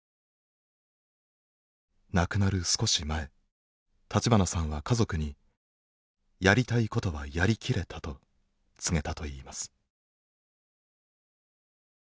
亡くなる少し前立花さんは家族にやりたいことはやり切れたと告げたといいます。